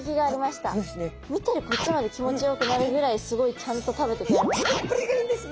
見てるこっちまで気持ちよくなるぐらいすごいちゃんと食べてくれますね。